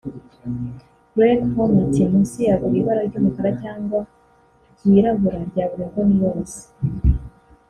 Gregg Home ati "Munsi ya buri bara ry’umukara cyangwa ryirabura rya buri mboni yose